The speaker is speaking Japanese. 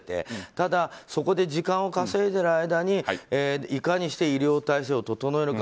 ただそこで時間を稼いでいる間にいかにして医療体制を整えるか。